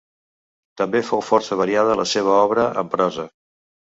També fou força variada la seva obra en prosa.